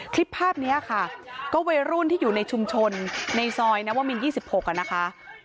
คลิปภาพนี้ค่ะก็วัยรุ่นที่อยู่ในชุมชนในซอยนวมิน๒๖นะคะ